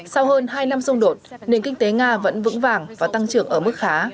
sau hơn hai năm xung đột nền kinh tế nga vẫn vững vàng và tăng trưởng ở mức khá